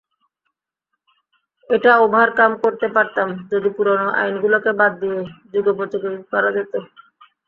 এটা ওভারকাম করতে পারতাম, যদি পুরোনো আইনগুলোকে বাদ দিয়ে যুগোপযোগী করা যেত।